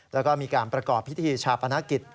แล้วก็มีการประกอบพิธีชาปนกิจ